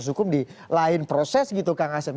yang harusnya juga harusnya juga akan diproses